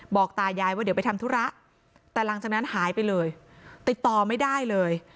ตายายว่าเดี๋ยวไปทำธุระแต่หลังจากนั้นหายไปเลยติดต่อไม่ได้เลย